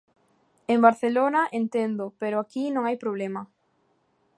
En Barcelona enténdoo pero aquí non hai problema.